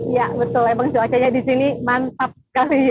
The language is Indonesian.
ya betul emang cuacanya di sini mantap sekali